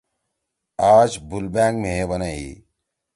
”آج بُولبأنگ مھیئے بنَئی: